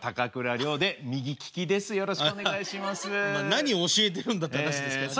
何教えてるんだって話ですからね。